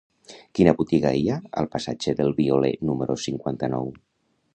Quina botiga hi ha al passatge del Violer número cinquanta-nou?